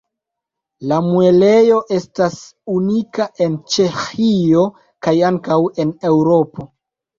La muelejo estas unika en Ĉeĥio kaj ankaŭ en Eŭropo.